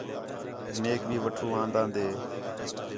میک بھی وٹھو آندا دیں